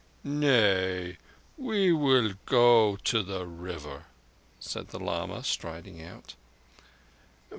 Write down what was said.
"Nay, we will go to the river," said the lama, striding out.